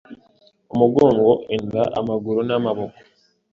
umugongo, inda, amaguru n’amaboko